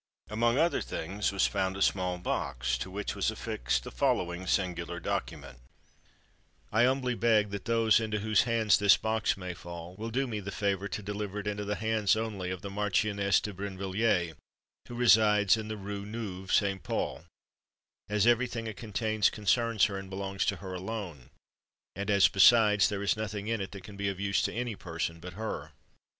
Among other things, was found a small box, to which was affixed the following singular document: "I humbly beg, that those into whose hands this box may fall, will do me the favour to deliver it into the hands only of the Marchioness de Brinvilliers, who resides in the Rue Neuve St. Paul, as every thing it contains concerns her, and belongs to her alone; and as, besides, there is nothing in it that can be of use to any person but her.